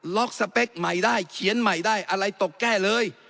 สเปคใหม่ได้เขียนใหม่ได้อะไรตกแก้เลย